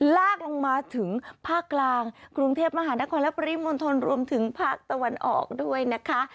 ลากลงมาถึงภาคกลางกรุงเทพมหานครและปริมณฑลรวมถึงภาคตะวันออกด้วยนะคะ